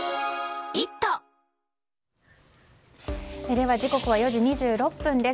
では、時刻は４時２６分です。